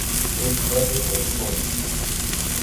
Non tedes vergoña!